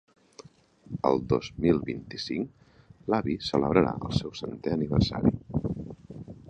El dos mil vint-i-cinc, l'avi celebrarà el seu centè aniversari.